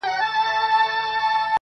• كه دوږخ مو وي مطلب د دې خاكيانو -